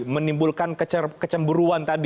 menimbulkan kecemburuan tadi